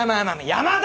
山田！